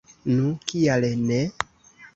Nu, kial ne?